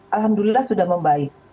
alhamdulillah sudah membaik